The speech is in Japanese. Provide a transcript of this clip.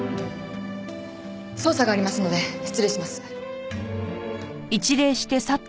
捜査がありますので失礼します。